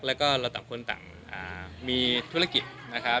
แล้วก็เราต่างคนต่างมีธุรกิจนะครับ